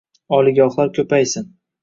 Oliygohlar koʻpaysin.